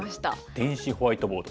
電子ホワイトボード。